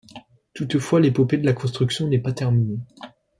Toutefois, l'épopée de la construction n'est pas terminée.